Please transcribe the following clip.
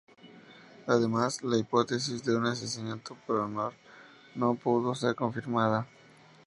Además, la hipótesis de un asesinato por honor no pudo ser confirmada.